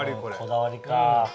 こだわりか。